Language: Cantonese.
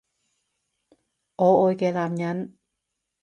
我愛嘅男人